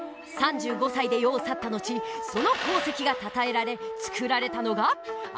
３５歳で世を去った後その功績がたたえられつくられたのが芥川賞。